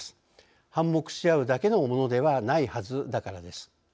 反目し合うだけのものではないはずだからです。